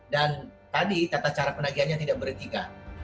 dan tadi tata cara penagiannya tidak bertiga